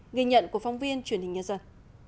nghi nhận của phóng viên truyền hình nhân dân